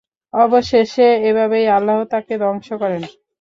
অবশেষে এভাবেই আল্লাহ তাকে ধ্বংস করেন।